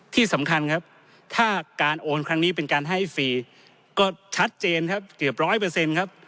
ที่สำคัญครับถ้าการโอนครั้งนี้เป็นการให้ฟรีก็ชัดเจนครับเกือบร้อยเปอร์เซ็นต์ครับ